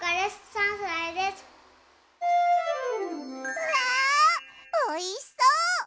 うわおいしそう！